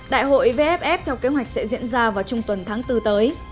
đại hội vff theo kế hoạch sẽ diễn ra vào trung tuần tháng bốn tới